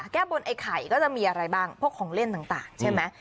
แก้บนไอ้ไข่ก็จะมีอะไรบ้างพวกของเล่นต่างใช่ไหม